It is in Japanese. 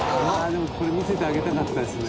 「でもこれ見せてあげたかったですね」